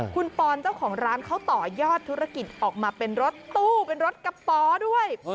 คุณปอนเจ้าของร้านเขาต่อยอดธุรกิจออกมาเป็นรถตู้เป็นรถกระป๋อด้วย